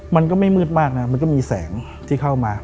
มันก็ไม่มืดมากนะมันก็มีแสงที่เข้ามา